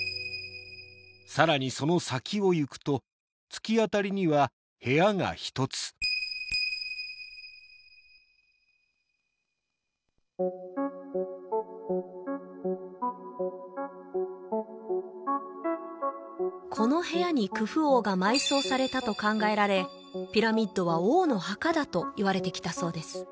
さらにその先を行くと突き当たりには部屋が一つこの部屋にクフ王が埋葬されたと考えられピラミッドは王の墓だといわれてきたそうです